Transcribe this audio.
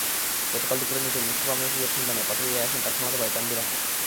গতকাল দুপুরে নিখোঁজ মোস্তফা মেহফুজের সন্ধানে পাটুরিয়ায় আসেন তাঁর খালাতো ভাই তানভীর আহমেদ।